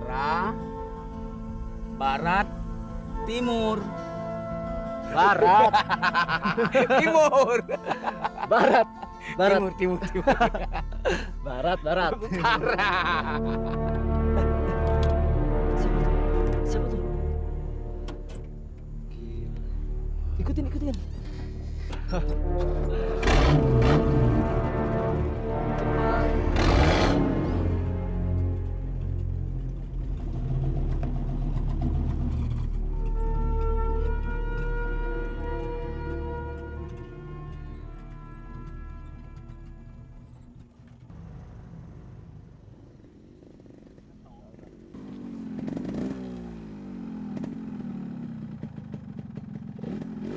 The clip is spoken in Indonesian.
sampai jumpa di video selanjutnya